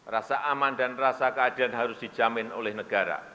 rasa aman dan rasa keadilan harus dijamin oleh negara